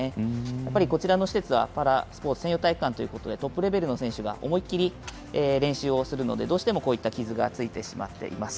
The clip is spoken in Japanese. やっぱりこちらの施設はパラスポーツ専用体育館ということでトップレベルの選手が思い切り練習をするのでどうしても、こういった傷がついてしまっています。